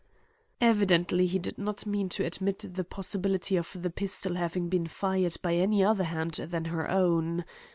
Evidently he did not mean to admit the possibility of the pistol having been fired by any other hand than her own.